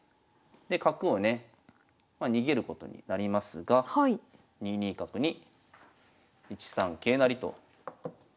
で角をね逃げることになりますが２二角に１三桂成と攻めていきます。